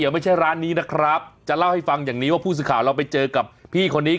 ไม่ใช่ร้านนี้นะครับจะเล่าให้ฟังอย่างนี้ว่าผู้สื่อข่าวเราไปเจอกับพี่คนนี้